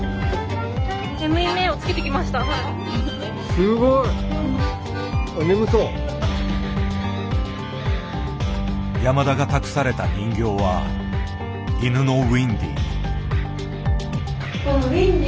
すごい！山田が託された人形は犬のウインディ。